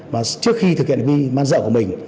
và trước khi thực hiện vi man dợ của mình